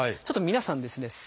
ちょっと皆さんですね